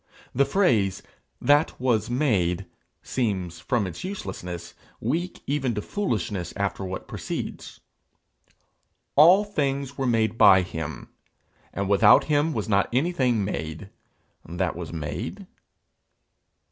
The phrase 'that was made' seems, from its uselessness, weak even to foolishness after what precedes: 'All things were made by him, and without him was not anything made that was made.'